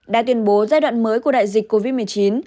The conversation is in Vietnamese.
đã tuyên bố giai đoạn mới của đại dịch covid một mươi chín